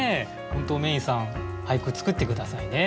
本当Ｍａｙ’ｎさん俳句作って下さいね。